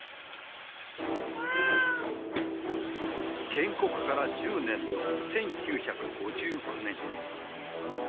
建国から１０年の１９５９年。